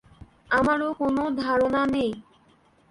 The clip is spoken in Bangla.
আমারও কোনো ধারণা নেই।